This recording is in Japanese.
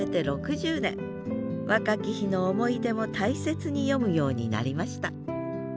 若き日の思い出も大切に詠むようになりました